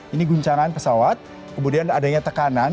ini guncangan pesawat kemudian adanya tekanan